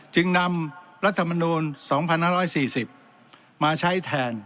จึงนำรัฐมนูล๒๕๔๐มาใช้แทน